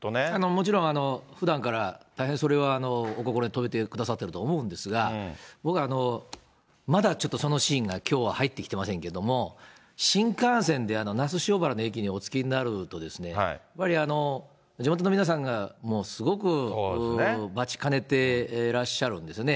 もちろん、ふだんから、大変、それはお心に留めてくださってると思うんですが、僕はまだちょっとそのシーンがきょうは入ってきてませんけれども、新幹線で那須塩原の駅にお着きになると、やっぱり地元の皆さんが、もうすごく待ちかねてらっしゃるんですよね。